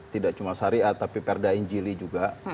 tidak cuma syariat tapi perda injili juga